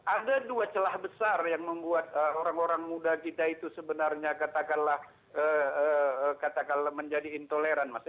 ada dua celah besar yang membuat orang orang muda kita itu sebenarnya katakanlah menjadi intoleran mas